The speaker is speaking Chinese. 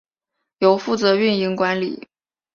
由负责运营管理。